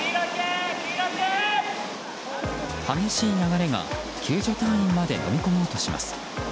激しい流れが救助隊員までのみ込もうとします。